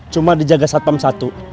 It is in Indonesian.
cuma dijaga satpam satu